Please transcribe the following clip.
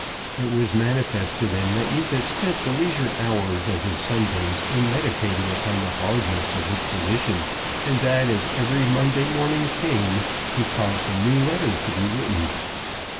It was manifest to them that Neefit spent the leisure hours of his Sundays in meditating upon the hardness of his position; and that, as every Monday morning came, he caused a new letter to be written.